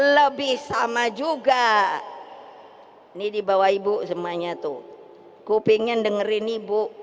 lebih sama juga ini dibawa ibu semuanya tuh kupingin dengerin ibu